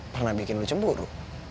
pernah bikin lo cemburu